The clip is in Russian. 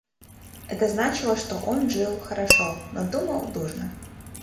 Это значило, что он жил хорошо, но думал дурно.